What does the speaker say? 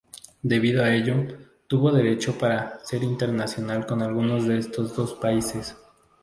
Debido a ello, tuvo derecho para ser internacional con alguno de estos dos países.